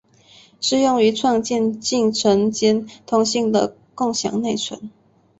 适用于创建进程间通信的共享内存。